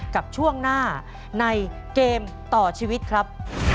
กับช่วงหน้าในเกมต่อชีวิตครับ